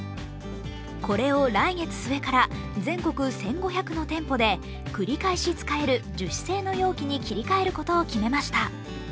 これを来月末から全国１５００の店舗で繰り返し使える樹脂製の容器に切り替えることを決めました。